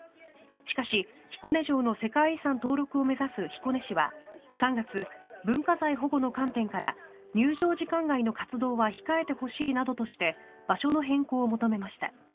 しかし、彦根城の世界遺産登録を目指す彦根市は３月、文化財保護の観点から入場時間外の活動は控えてほしいなどとして場所の変更を求めました。